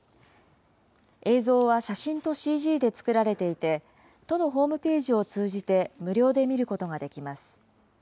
映像は写真とＣＧで作られていて、都のホームページを通じて無料で見ることができます。